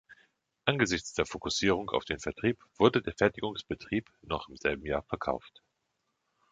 Angesichts der Fokussierung auf den Vertrieb wurde der Fertigungsbetrieb noch im selben Jahr verkauft.